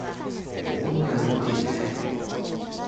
オーロラ見てみたい。